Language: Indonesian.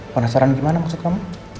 penasaran gimana maksud kamu